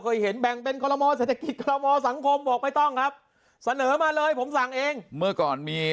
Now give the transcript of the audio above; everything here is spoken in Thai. ความละมอเศรษฐกิจมันไม่มี